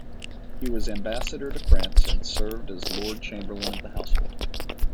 He was Ambassador to France and served as Lord Chamberlain of the Household.